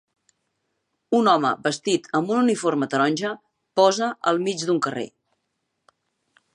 Un home vestit amb uniforme taronja posa al mig d'un carrer.